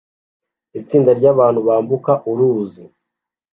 itsinda ryabantu bambuka uruzi